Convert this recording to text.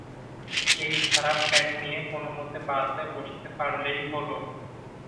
এই খারাপ পেট নিয়ে কোনমতে বাসে বসতে পারলেই হলো।